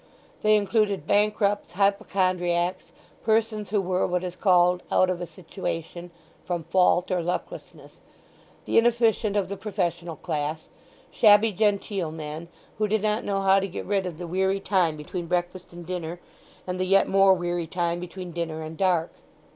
They included bankrupts, hypochondriacs, persons who were what is called "out of a situation" from fault or lucklessness, the inefficient of the professional class—shabby genteel men, who did not know how to get rid of the weary time between breakfast and dinner, and the yet more weary time between dinner and dark.